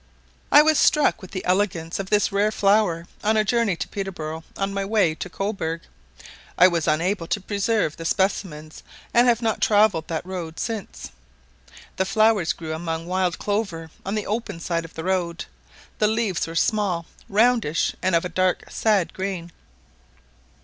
I was struck with the elegance of this rare flower on a journey to Peterborough, on my way to Cobourg; I was unable to preserve the specimens, and have not travelled that road since. The flower grew among wild clover on the open side of the road; the leaves were small, roundish, and of a dark sad green.